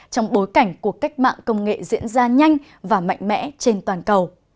trong bối cảnh cuộc cách mạng công nghệ diễn ra nhanh và mạnh mẽ trên toàn cầu